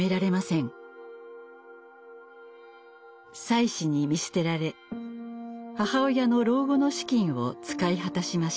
妻子に見捨てられ母親の老後の資金を使い果たしました。